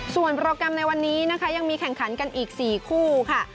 ส่วนโปรแกรมในวันนี้นะคะยังมีแข่งขันกันอีก๔คู่ค่ะ